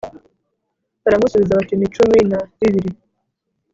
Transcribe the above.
Baramusubiza bati ni cumi na bibiri